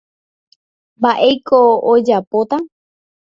mba'éiko ajapóta